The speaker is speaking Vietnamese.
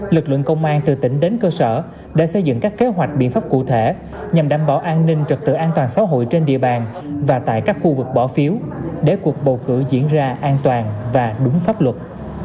lực lượng công an từ tỉnh đến cơ sở đã xây dựng các kế hoạch biện pháp cụ thể nhằm đảm bảo an ninh trật tự an toàn xã hội trên địa bàn và tại các khu vực bỏ phiếu để cuộc bầu cử diễn ra an toàn và đúng pháp luật